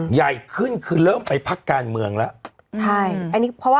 ใหญ่ขึ้นคือเริ่มไปพักการเมืองแล้ว